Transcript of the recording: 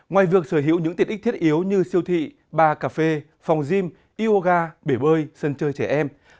ngoài việc sở hữu những tiện ích thiết yếu như siêu thị ba cà phê phòng gym yoga bể bơi sân chơi trẻ em